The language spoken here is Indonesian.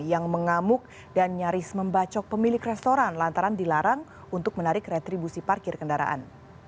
yang mengamuk dan nyaris membacok pemilik restoran lantaran dilarang untuk menarik retribusi parkir kendaraan